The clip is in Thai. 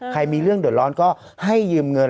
มีเรื่องเดือดร้อนก็ให้ยืมเงิน